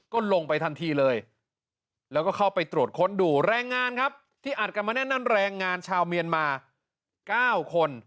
ก็ลงไปทันทีเลยแล้วก็เข้าไปตรวจค้นดูแรงงานครับที่อัดกันมาแน่นนั่นแรงงานชาวเมียนมา๙คน